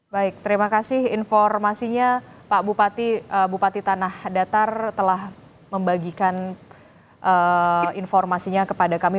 baik terima kasih informasinya pak bupati tanah datar telah membagikan informasinya kepada kami